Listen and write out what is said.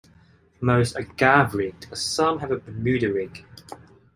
Most are gaff rigged but some have a Bermuda rig.